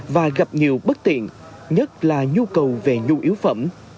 và gặp nhiều bất tiện nhất là nhu cầu về nhu yếu phẩm